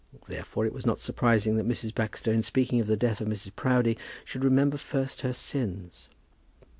Therefore it was not surprising that Mrs. Baxter, in speaking of the death of Mrs. Proudie, should remember first her sins.